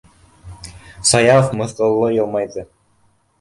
- Саяф мыҫҡыллы йылмайҙы.